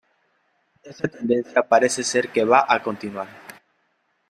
Esta tendencia parece ser que va a continuar.